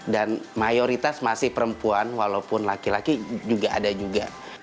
dan mayoritas masih perempuan walaupun laki laki juga ada juga